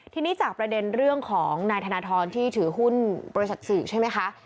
ทีนี้จากประเด็นเรื่องของนายธนทรที่ถือหุ้นบริษัทสื่อใช่ไหมคะ